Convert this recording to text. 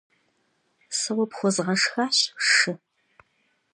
Сэ уэ пхуэзгъэшхащ шы.